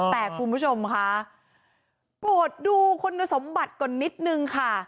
แต่คุณผู้ชมค่ะโปรดดูคุณสมบัติก่อนนิดนึงค่ะ